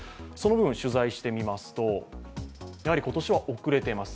取材してみますと、やはり今年は遅れています。